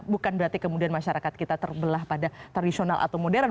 bukan berarti kemudian masyarakat kita terbelah pada tradisional atau modern